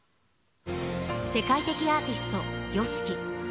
世界的アーティスト、ＹＯＳＨＩＫＩ。